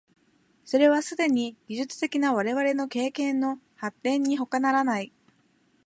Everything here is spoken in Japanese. それはすでに技術的な我々の経験の発展にほかならない。